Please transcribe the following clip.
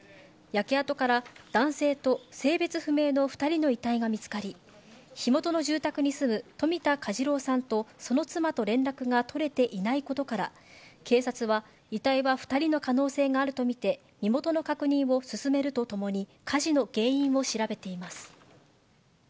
焼け跡から、男性と性別不明の２人の遺体が見つかり、火元の住宅に住む冨田嘉次郎さんと、その妻と連絡が取れていないことから、警察は遺体は２人の可能性があると見て、身元の確認を進めるとともに、火事の原因を調べています。